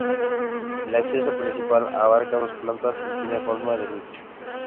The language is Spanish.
El acceso principal abarca dos plantas y tiene forma de nicho.